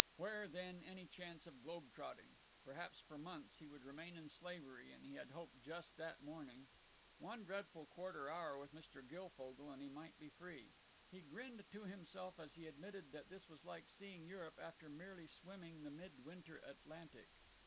Where, then, any chance of globe trotting; perhaps for months he would remain in slavery, and he had hoped just that morning— One dreadful quarter hour with Mr. Guilfogle and he might be free. He grinned to himself as he admitted that this was like seeing Europe after merely swimming the mid winter Atlantic.